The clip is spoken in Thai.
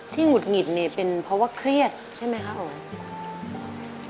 หงุดหงิดเนี่ยเป็นเพราะว่าเครียดใช่ไหมคะอ๋อ